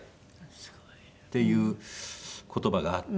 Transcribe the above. すごい。っていう言葉があって。